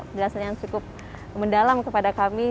penjelasan yang cukup mendalam kepada kami